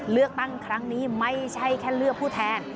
เลือกตั้งครั้งนี้ไม่ใช่แค่เลือกผู้แทน